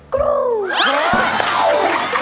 ครู